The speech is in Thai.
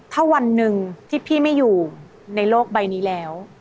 ถ้าวันหนึ่งที่พี่ไม่อยู่ในโลกใบนี้แล้ว